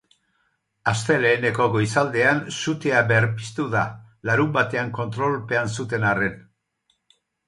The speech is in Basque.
Asteleheneko goizaldean sutea berpiztu da, larunbatean kontrolpean zuten arren.